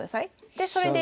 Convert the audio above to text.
でそれで。